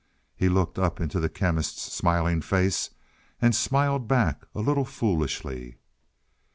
He looked up into the Chemist's smiling face, and smiled back a little foolishly.